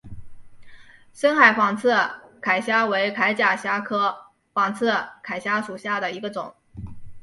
深海仿刺铠虾为铠甲虾科仿刺铠虾属下的一个种。